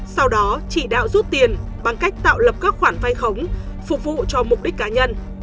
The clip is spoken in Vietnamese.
sau đó chỉ đạo rút tiền bằng cách tạo lập các khoản vay khống phục vụ cho mục đích cá nhân